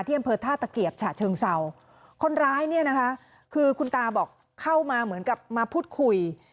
อำเภอท่าตะเกียบฉะเชิงเศร้าคนร้ายเนี่ยนะคะคือคุณตาบอกเข้ามาเหมือนกับมาพูดคุย